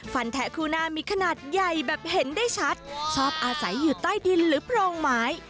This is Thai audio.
แทะคู่หน้ามีขนาดใหญ่แบบเห็นได้ชัดชอบอาศัยอยู่ใต้ดินหรือโพรงไม้